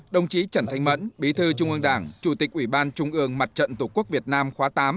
đồng chí trần thanh mẫn bí thư trung ương đảng chủ tịch ủy ban trung ương mặt trận tổ quốc việt nam khóa tám